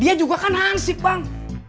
dia juga kan hansip bang